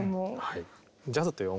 はい。